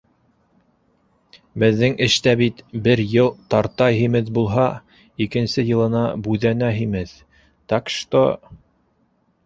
Беҙҙең эштә бит бер йыл тартай һимеҙ булһа, икенсе йылына бүҙәнә һимеҙ, так что...